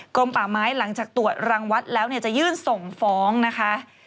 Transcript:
ลมป่าไม้หลังจากตรวจรังวัดแล้วจะยื่นส่งฟ้องนะคะ